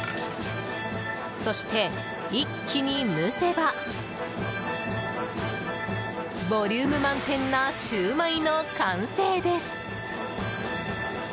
そして、一気に蒸せばボリューム満点なシューマイの完成です。